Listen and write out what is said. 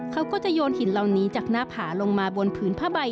เขาก็จะโยนหินเหล่านี้จากหน้าผาลงมาบนผืนผ้าใบ